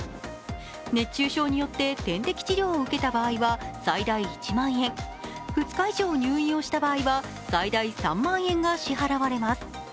熱中症によって点滴治療を受けた場合は最大１万円２日以上入院をした場合は最大３万円が支払われます。